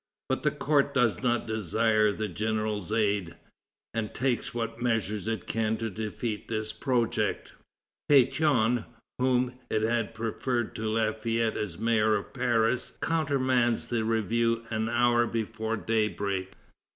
But the court does not desire the general's aid, and takes what measures it can to defeat this project. Pétion, whom it had preferred to Lafayette as mayor of Paris, countermands the review an hour before daybreak.